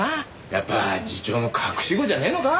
やっぱ次長の隠し子じゃねえのか？